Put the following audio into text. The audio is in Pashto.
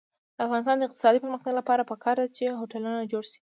د افغانستان د اقتصادي پرمختګ لپاره پکار ده چې هوټلونه جوړ شي.